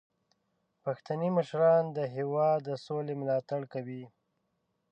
پښتني مشران د هیواد د سولې ملاتړ کوي.